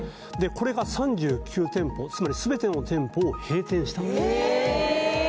これが３９店舗つまり全ての店舗を閉店したんです・え！